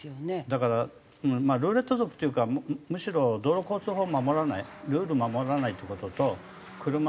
だからルーレット族というかむしろ道路交通法を守らないルール守らないっていう事と車の違法改造